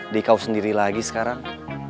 dikau sendiri lagi sekarang